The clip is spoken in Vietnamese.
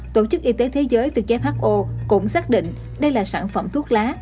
thế giới từ gfho cũng xác định đây là sản phẩm thuốc lá